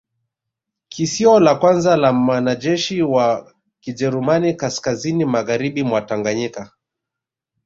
Kisio la kwanza la mwanajeshi wa Kijerumani kaskazini magharibi mwa Tanganyika